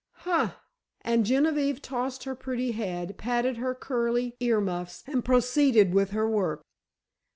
"Huh!" and Genevieve tossed her pretty head, patted her curly ear muffs, and proceeded with her work.